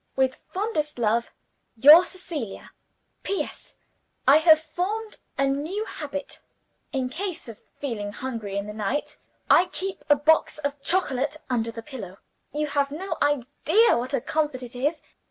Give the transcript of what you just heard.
With fondest love, "Your CECILIA." "P.S. I have formed a new habit. In case of feeling hungry in the night, I keep a box of chocolate under the pillow. You have no idea what a comfort it is.